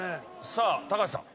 さあ高橋さん。